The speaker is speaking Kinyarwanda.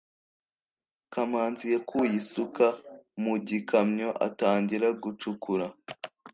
kamanzi yakuye isuka mu gikamyo atangira gucukura